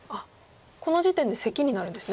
この時点でセキになるんですね。